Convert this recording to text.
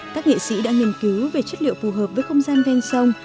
các nghệ sĩ đã nghiên cứu về chất liệu phù hợp với không gian ven sông